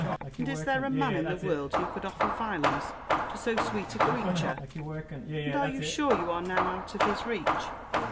And is there a man in the world who could offer violence to so sweet a creature! And are you sure you are now out of his reach?